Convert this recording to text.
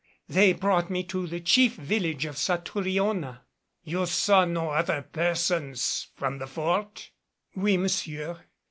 They brought me to the chief village of Satouriona." "You saw no other persons from the Fort?" "Oui, monsieur.